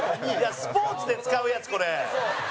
スポーツで使うやつ、これ。